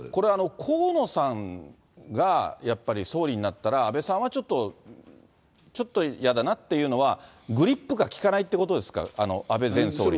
河野さんがやっぱり総理になったら、安倍さんはちょっとやだなっていうのは、グリップが利かないってことですか、安倍前総理の。